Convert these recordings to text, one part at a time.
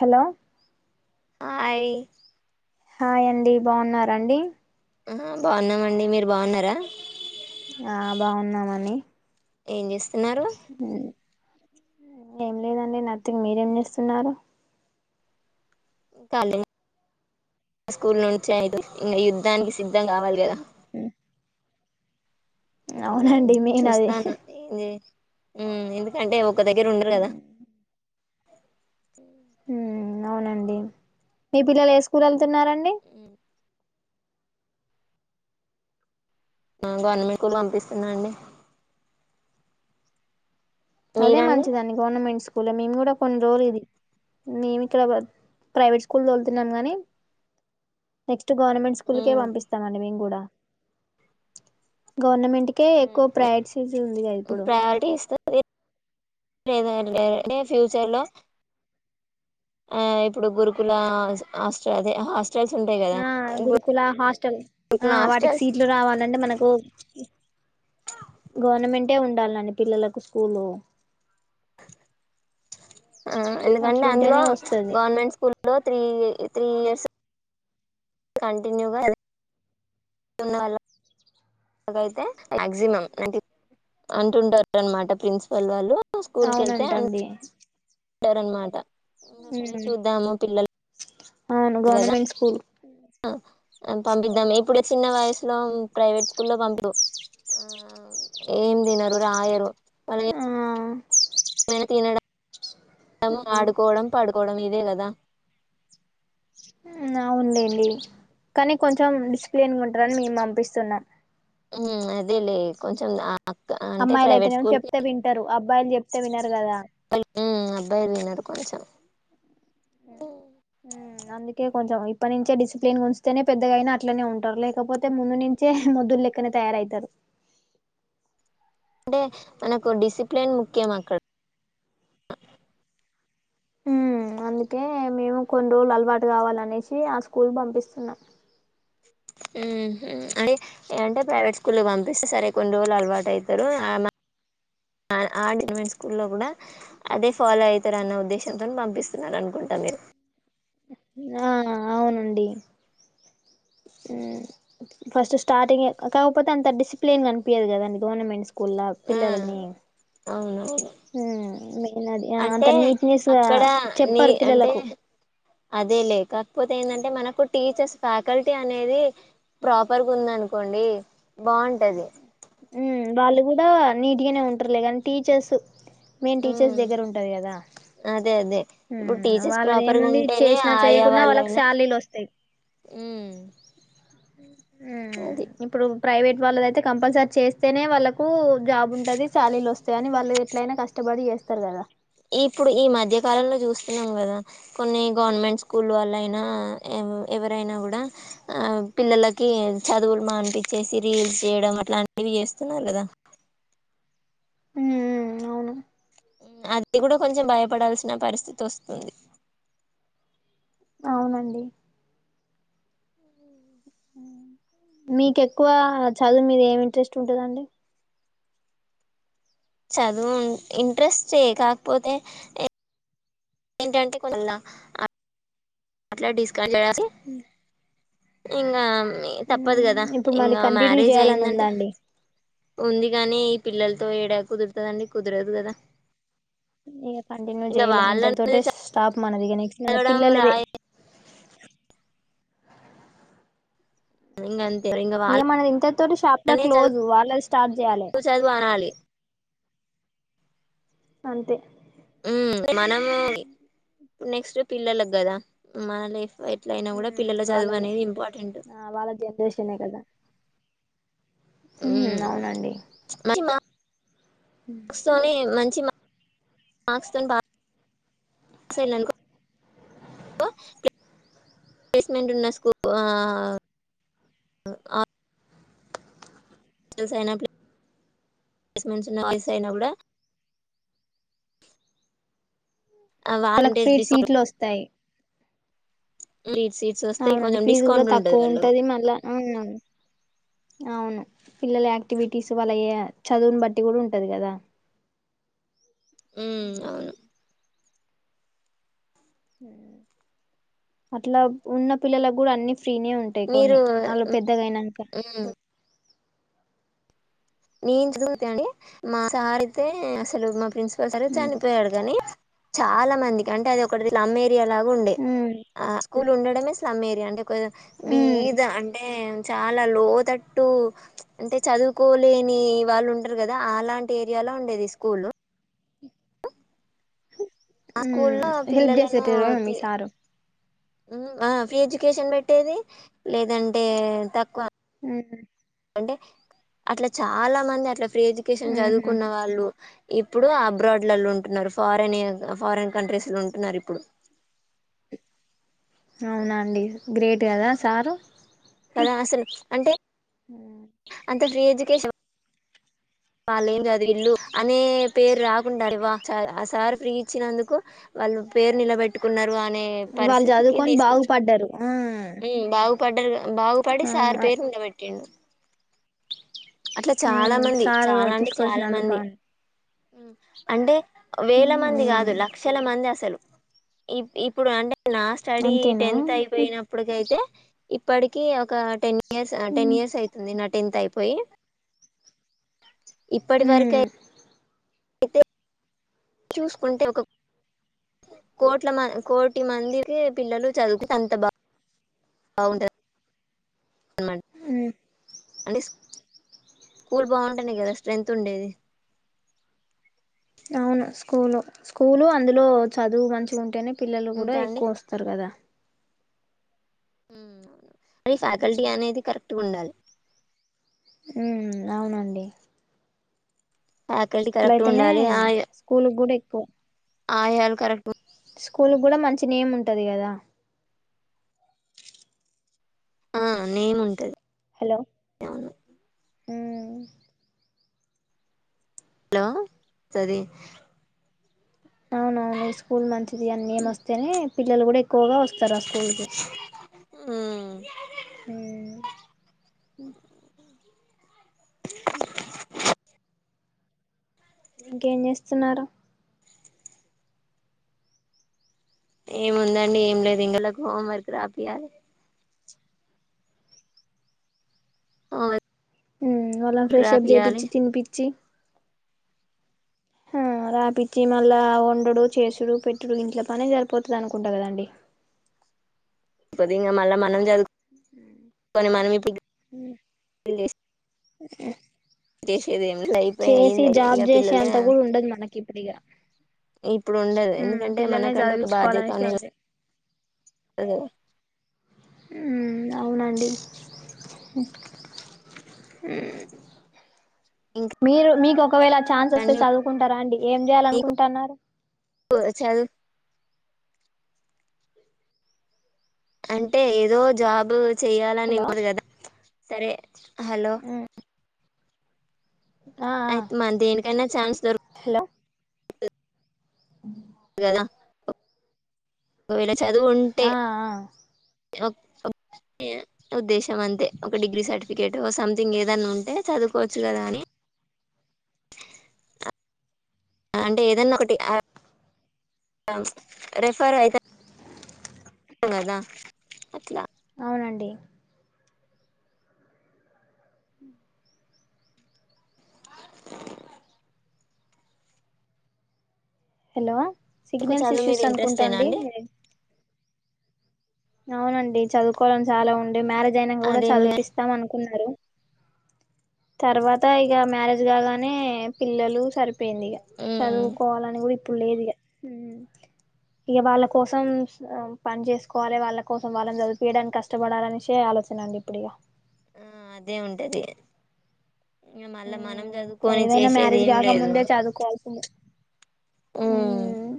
Hello ఆయి hi అండి బాగున్నరండి ఆ బాగున్నామ అండి మీరు బాగున్నారా ఆ బాగున్నామని ఏమ్ చేస్ తిన్నారు ఏం లేదండి నథిగ్ మీరేం చేస్తున్నారు ఇంకా లే స్కూల్ నుంచి యుద్ధనికి సి దం కావలికదా అవునండి మెయిన్ అది ఉమ్ ఎందుకంటే ఒక దగ్గర ఉండరు కదా ఉమ్ అవునండి మీ పిల్లలు ఏ స్కూల్ల్ ఎల్ స్తున్నారండి ఆ గవర్నమెంట్ స్కూల్ పంపిస్తున్నాండి అదే మీరండి మంచిదాన్ని గవర్నమెంట్ స్కూ ల్ మేము కూడా కొన్ని రోజులు ఇది మేము ఇక్కడ ప్రైవేట్ స్కూల్ దోలుతున్నాము గాని నెక్ గవర్నమెంట్ స్కూల్కే ఉమ్, పపిస్తామండి మేము కూడా గవర్నమెం ఇటికే ఎక్కువ ఉమ్. ప్రైడ్సీస్ ఉంది గా ఇప్పుడు లేద లేే ఫ్యూచర్ లో ఆ ఇప్పుడు గురుకుల హస్ట దే హాస్ ఆ గురుకుల హాస్టల్ గురుకుల ఆ వాటికి హాస్టల్స్ సీట్లు రావాలంటే మనకు గవర్నమెం అంటే ఉండాలని పిల్లలకు స్కూలు అ ఎందుకంటే అందులో అట్లుంటేనే వస్తది గవర్నమెంట్ స్కూల్ లో త్రీ త్రీ ఇయర్స్ కంటిన్యూగా ఉన్న వాళ్ళకైతే మక్సిమం అ అంటుంటారు అనమాట ప్రిన్సిపల్ వాళ్ళు అవునంటండి ంటారనమాట ఇంకా సరే ఉమ్ చూద్దాము పిల్లలు అవును గదా గవర్నమెంట్ స్కూల్ పంపిద్దాం ఇప్పుడు లేద్ చిన్న వయసులో ప్రైవేట్ స్కూ లో పంపా [inaudible] ఆ ఏం తినరు రాయరు. [unintelligible] ఆ ఇగ తినడం డము ఆడుకోవడం పడుకోవడం ఇదే గదా. ఊమ్ ఆ ఉండింది కానీ కొంచెం డిసిప్లిన్గా ఉంటారని మేం పంపిస్తున్నాం. ఊమ్ అద్ దే లే కొంచెం ఆ క్ అంటే ప్రైవేట్ స్కూల్కి బ్బాయిలు చెప్తే వినర్ బ్బైలు అబ్బాయిలు వినరు. కొంచెం హుమ్ హూమ్ అందుకే కొంచెం ఇప్ అప్పటి నుంచే డిసిప్లిన్ గుంచితేనే పెద్దగా అయినా అట్లనే ఉంటారు లేకపోతే ముందు నుంచే మొద్దుల్లెక్కనే తయారయితారు. అంటే మనకు డిసిప్లిన్ ముఖ్యం అక్కడ్ ఉమ్ అందుకే మేము కొన్ని రోలు అలవాటు కావాలనేసి ఆ స్కూల్ కి పంపిస్తున్నాం. ఊమ్ ఊ అంటే ఇగ అంటే ప్రైవేట్ స్కూల్లోకి పంపిస్తే సరే కొన్ని రోజులు అలవాటు అయితారు ఆ [inaudible] గవర్నమెంట్ స్కూల్లో కూడా అదే ఫాలో అయితారు అన్న ఉద్దేశంతోని పంపిస్తున్నారు అనుకుంట మీరు. ఆ అవునండి ఊమ్ ఫస్ట్ స్టార్టింగే కాకపోతే అంత డిసిప్లిన్ గనిపీయదు గదండి గవర్నమెంట్ స్కూల్లా పిల్లలని అవును హూమ్ మెయిన్ అది అంత నీట్నెస్ గా అక్కడ నీ చెప్పరు పిల్లలకు. పోతే ఏందంటే మనకు టీచర్స్ ఫ్యాకల్టీ అనేది ప్రాపర్ గుందనుకోండి. బావుంటది వాళ్ళు కూడా నీట్ గానే ఉంటారులే గానీ టీచర్స్ మెయిన్ టీచర్స్ ఉమ్ దగ్గర ఉంటది గదా, అదే అదే ఇప్పుడు హుమ్ టీచర్స్ వాళ్ళది ప్రాపర్గా ఏముంది ఉంటేనే చేసినా చేయకున్నా వాళ్ళకి శాలరీలు వస్తాయి. ఊమ్ అ ఊమ్ ఇప్పుడు ప్రైవేట్ వాళ్ళదయితే కంపల్సరీ చేస్తేనే వాళ్ళకు జాబ్ ఉంటది శాలరీలు వస్ కాని వాళ్ళు ఎట్లయినా కష్టపడి చేస్తారు గదా ఇప్పుడు ఈ మధ్య కాలంలో చూస్తున్నాం గదా, కొన్ని గవర్నమెంట్ స్కూల్ వాళ్ళ అయినా ఎవరైనా గూడా ఆ పిల్లలకి చదువులు మానిపిచ్చేసి రీల్స్ చేయడం అట్లాంటివి చేస్తున్నారు గదా. హూమ్ ఊమ్ అవును అది కూడా కొంచెం భయపడాల్సిన పరిస్థితి వస్తుంది. అవునండి మీకు ఎక్కువ చదువు మీద ఏం ఇంట్రెస్ట్ ఉంటదండి? చదువు ఇంట్రెస్టే కాకపోతే ఎ ఏంటంటే కొ [inaudible] లా ఆ అట్లా డిస్ [unintelligible] సి ఇంగ ఉ తప్పదు కదా ఇప్పుడు మళ్ళీ ఇంకా కంటిన్యూ మ్యారేజ్ చేయాలని అయిందంటే ఉందాండి ఉంది కానీ పిల్లలతో ఏడా కుదురుతదండి కుదరదు కదా ఇంక కంటిన్యూ ఇంకా చేయలే ఇంటర్ వాళ్ళని తోటే స్టాప్ మనది నెక్స్ట్ మన చదవడం పిల్లదే రాయ ఇంకా అంతే ఇంకా ఏమనది ఇంతటి తోటి చాప్టర్ వాళ్ళనే చ క్లోజ్ వాళ్ళది స్టార్ట్ చేయ్యాలి చదువు అనాలి అంతే ఉ మనము నెక్స్ట్ పిల్లలకు కదా మన లైఫ్ ఎట్ల అయినా కూడా ఉమ్ పిల్లల చదువు వాళ్ళదే అనేది ఇంపార్టెంట్ ఆ వాళ్ళ జనరేషనే కదా ఉ ఉమ్ అవునండి కా వస్తానే మంచి మంచి మార్కులు వస్తేనే బాగా పాసైన్ అనుకో ప్ల్సస్ ప్లేసెమెంట్ ప్లేసెస్ అయిన పర్మిషన్ ఉన్న వాయిస్ అయినా కూడా వాళ్ళకు వాలంటేజ్ ఫ్రీట్ డిస్కౌంట్ సీట్లు వస్తాయి లీడ్ సీట్స్ వస్తాయి అవునండి కొంచెం ఫీజు కూడా డిస్కౌంట్ తక్కువ వాళ్ళకు ఉంటది మళ్ళా అవున అవును పిల్లల యాక్టివిటీస్ వాళ్ళ చదువుని బట్టి కూడా ఉంటది కదా ఉ అవును అట్లా ఉన్న పిల్లలకు కూడా అన్ని ఫ్రీనే ఉంటాయి మీరు కొన్ని వాళ్ళు పెద్దగెనాక ఉమ్ నేను చదువుతాని మా వారు అయితే అసలు మా ప్రిన్సిపాల్ సార్ ఉమ్ చనిపోయాడు కాగాని చాలా మందికి అంటే అది ఒకటిలా అమ్మేయి అలాగ ఉండే ఉమ్ ఆ స్కూలు ఉండడమే స్లమ్ ఏరియా అంటే కొంచెం ఉమ్ బీద అంటే చాలా లోతట్టు అంటే చదువుకో లేని వాళ్ళు ఉంటారు కదా అలాంటి ఏరియాలో ఉండేది స్కూల్ ఆ స్కూల్లో హెల్ప్ పిల్లలను చేసేటోర మీ సారు ఆ ఫ్రీ ఎడ్యుకేషన్ పెట్టేది లేదంటే తక్కువ ఉ హ్మ్ అంటే అట్లా చాలా మంది అట్లా ఫ్రీ ఎడ్యుకేషన్ ఉహు చదువుకున్న వాళ్ళు ఇప్పుడు అబ్రాడ్లలో ఉంటున్నారు ఫారన్ ఫారన్ కంట్రీస్ లో ఉంటున్నారు ఇప్పుడు అవునా అండి గ్రేట్ కదా సారు కదా అసలు అంటే అంత ఫ్రీ ఎడ్యుకేషన్ వాళ్ళు ఏం చదివిలు అనీ పేరు రాకుంటారు ఆ సార్ ఫ్రీ ఇచ్చినందుకు వాళ్ళు పేరు నిలబెట్టుకున్నారు అనే వాళ్ళు పరిస్థితికి చదువుకొని బాగు పడ్డారు ఆ పడరుగా బాగుపడి అవును సార్ అ పేరు నిలబెట్టటిండు అట్లా చాలా మంది వారు చాలా అంటే తీసుకొచ్చిన చాలా మంది అందుకుని అంటే వేల మంది కాదు లక్షల మంది అసలు. ఇ ఇప్పుడు అంటే నా స్టడీ అంతేనా టెన్త్ ఉమ్ అయిపోయినప్పుటికైతే ఇప్పటికి ఒక టెన్ ఇయర్స్ టెన్ ఇయర్స్ అవుతుంది న టెన్త్ అయిపోయి ఇప్పటి వరకె ఉమ్ ఐతే చూసుకుంటే ఒక కోట్ల కోటి మందికి పిల్లలు చదువుకు అంత బాగా అవును అ ఉమ్ అంటే స్కూల్ బావుంటేనే కదా స్ట్రెంత్ ఉండేది అవును స్కూల్ స్కూలు అందులో చదువు మంచిగా ఉంటేనే పిల్లలు కూడా ఇంకా అండి ఎక్కువ వస్తారు కదా అవును మరి ఫ్యాకల్టీ అనేది కరెక్ట్గా ఉండాలి అవునండి ఫ్యాకల్టీ కరెక్ట్ ఉండాలి ఆ ప్పు ఆయళ కరెక్ట్ స్కూల్ కూడా మంచి నేమ్ ఉంటది కదా ఆ నేమ్ ఉంటది హలో అవును అ హలో సది అవు పిల్లలు కూడా ఎక్కువగా వస్తారుా ఆ స్కూల్కి హ్మ్మ్ హ్మ్మ్ హ ఇంకేం చేస్తున్నారు ఏముందండి ఏం లేదు ఇంగళ్లకు హోంవర్క్ రాపియాలి ఓ హ్మ్మ్ వాళ్ళని ఫ్రెష్అప్ చేయిపిించి తినిపిించి ఆ రాపిచ్చి మళ్ళా వండడు చేసుడు పెట్టుడు ఇంట్లో పనే సరిపోతది అనుకుంటా కదండి ది మళ్ళ మనం జాదు కొని మనం ఇ పెళ్లి చే ఈ చేసేదేం చేసి జాబ్ చేసే అంత కూడా ఉండదు మనకి ఇప్పుడిగా ఇప్పుడు ఉండదు హ్మ్మ్ ఎందుకంటే పిల్లల్నే చదివించుకోవాలనేసి ఉంది అదే హ్మ్మ్ అవునండి హ్మ్మ్ మీరు మీకు ఒకవేళ ఛాన్స్ వస్తే అండి చదువుకుంటారా అండి ఏం చేయాల మీకు అనుకుంటున్నారు చదువు అంటే ఏదో జాబు చెయాలని హలో ఇమ్మరు కదా సరే హలో ఆ ఆ అయితే మ దేనికైన్నా ఛాన్స్ దొరకు ఉ ద ఒకవేళ చదువు ఉంటే ఆ ఆ ఉద్దేశం అంతే ఒక డిగ్రీ సర్టిఫికేట్ సంథింగ్ ఏదన్నా ఉంటే చదువుకోవచ్చు కదా అని అంటే ఏదన్నా ఒకటి రెఫర్ అయిత దా అట్లా అవునండి హలో మీకు సిగ్నల్స్ చదువు మీద ఇష్యూస్ ఇంట్రెస్టేనా అనుకుంటాండి అండి అవునండి చదువుకోవడం చాలా ఉం మ్యారేజ్ అయినా కూడా అదేం లే చదివిపిస్తాం అనుకున్నారు తర్వాత ఇగ మ్యారేజ్ కాగానే పిల్లలు సరిపో యింది ఇగా ఉమ్ చదువుకోవాలని కూడా ఇప్పుడు లేదు. ఇగా ఇక వాళ్ళ కోసం పని చేసుకోవాలి. వాళ్ళ కోసం వాళ్ళని చదిపియడానికి కష్టపడాలనిసే ఆలోచన అండి ఇప్పుడు ఇగా ఆ అదే ఉంటది. మళ్ళా మనం మ్మ్ చదువుకొని ఏదైనా చేసేది ఏం లేదు. ఉమ్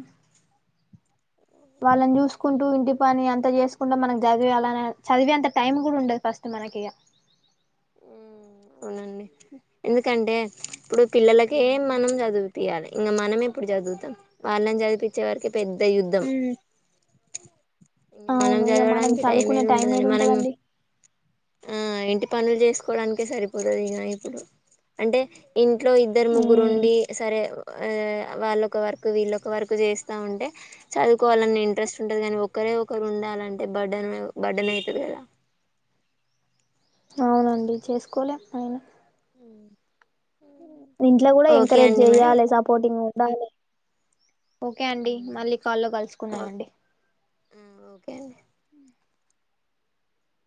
వాళ్ళని చూసుకుంటూ ఇంటి పని అంత చేసుకుంటూ మనం చదివి అలానే చదివేంత టైం కూడా ఉండదు. ఫస్ట్ మనకి ఇక ఉ అవునండి ఎందుకంటే, [inaudible] ఇప్పుడు పిల్లలకే మనం మ్మ్ చదువు పియాలి. ఇంకా మనమే ఏప్పుడు చదువుతాం వాళ్ళని చదిపించే వారకే పెద్ద యుద్ధం. ఇంగ మనం అవును ఇగా మనం చదవడానికి చదువుకునే ఏడ టైం ఏడా మనం ఉంటదండి. ఆ ఇంటి పనులు చేసుకోవడానికే సరిపోత. ఇప్పుడు అంటే ఇంట్లో ఇద్దరు మ్మ్ ముగ్గురుండి సరే వాళ్ళక్క వర్కు వీళ్ళొక వర్కు చేస్తా ఉంటే చదువు కోవాలని ఇంట్రస్ట్ ఉంటది కానీ ఒకరే ఒకరు ఉండాలంటే బర్డన్ బడ్డన్ ఐతది కదా. అవునండి చేసుకోలేము అయిన ఇంట్ల కూడా ఓకే ఎంకరేజ్ అండి మరి చెయ్యాలే సపోర్టింగ్. [inaudible] ఓకే అండి మళ్ళీ కాల్లో ఓ కలుసుకుందామండి. ఓకే అండి